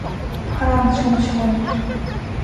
พลังชุมชน